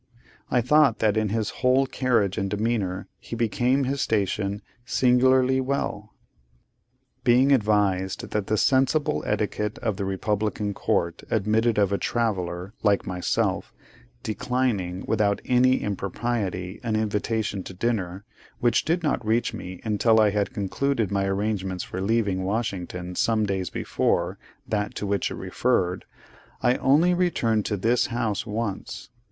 I thought that in his whole carriage and demeanour, he became his station singularly well. Being advised that the sensible etiquette of the republican court admitted of a traveller, like myself, declining, without any impropriety, an invitation to dinner, which did not reach me until I had concluded my arrangements for leaving Washington some days before that to which it referred, I only returned to this house once.